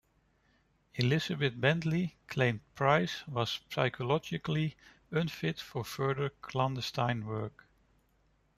Elizabeth Bentley claimed Price was psychologically unfit for further clandestine work.